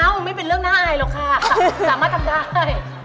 ไม่เป็นเรื่องน่าอายหรอกค่ะสามารถทำได้